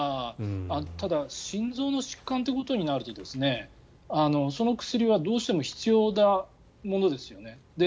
ただ心臓の疾患ということになるとその薬はどうしても必要なものですよね。